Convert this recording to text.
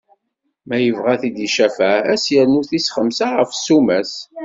Ma yebɣa ad t-id-icafeɛ, ad s-irnu tis xemsa ɣef ssuma-s.